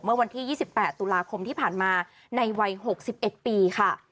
เมื่อวันที่๒๘ตุลาคมที่ผ่านมาในวัย๖๑ปีค่ะ